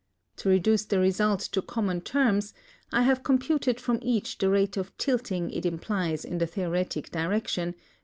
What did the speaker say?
To reduce the results to common terms I have computed from each the rate of tilting it implies in the theoretic direction, S.